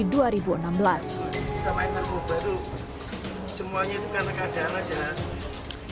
jangan lupa like share dan subscribe channel ini